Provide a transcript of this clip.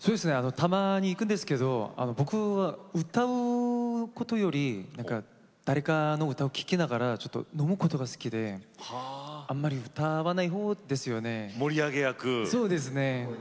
たまに行きますが僕は歌うことより誰かの歌を聴きながら飲むことが好きであまり歌わない方ですよね。